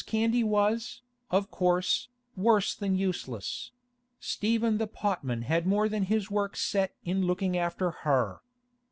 Candy was, of course, worse than useless; Stephen the potman had more than his work set in looking after her.